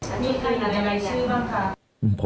อันนี้เคยเรียนรายชื่อบ้างครับ